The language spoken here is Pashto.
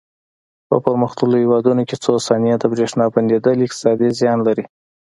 په پرمختللو هېوادونو کې څو ثانیې د برېښنا بندېدل اقتصادي زیان لري.